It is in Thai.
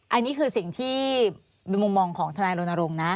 อันนี้คือสิ่งที่เป็นมุมมองของทนายรณรงค์นะ